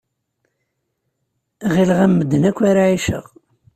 Ɣilleɣ am medden akk ara ɛiceɣ.